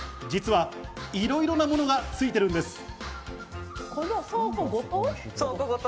実はいろいろなものがついているんです。